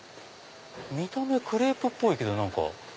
見た目クレープっぽいけど。